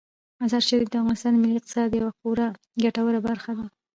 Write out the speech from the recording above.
مزارشریف د افغانستان د ملي اقتصاد یوه خورا ګټوره برخه ده.